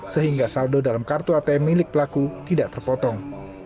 sehingga saldo dalam kartu atm milik pelaku tidak terpotong